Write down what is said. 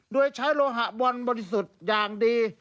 โดยใช้โลหะบอลบริสุทธิ์อย่างดี